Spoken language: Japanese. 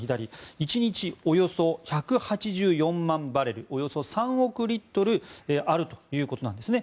１日およそ１８４万バレルおよそ３億リットルあるということなんですね。